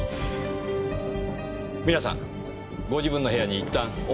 皆さんご自分の部屋にいったんお戻り願えますか？